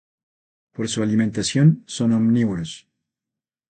Por su alimentación son omnívoros.